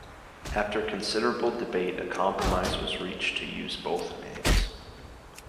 After considerable debate a compromise was reached to use both names.